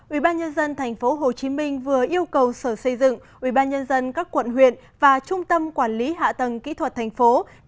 ubnd tp hcm vừa yêu cầu sở xây dựng ubnd các quận huyện và trung tâm quản lý hạ tầng kỹ thuật thành phố